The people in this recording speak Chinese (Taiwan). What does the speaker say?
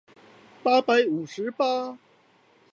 八百五十八